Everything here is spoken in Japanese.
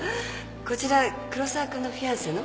こちら黒沢君のフィアンセの？